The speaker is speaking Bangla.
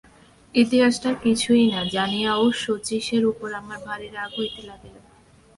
ইতিহাসটা কিছুই না জানিয়াও শচীশের উপর আমার ভারি রাগ হইতে লাগিল।